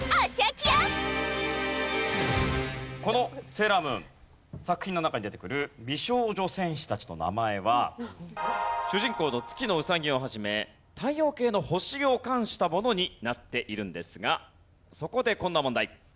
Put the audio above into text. この『セーラームーン』作品の中に出てくる美少女戦士たちの名前は主人公の月野うさぎを始め太陽系の星を冠したものになっているんですがそこでこんな問題。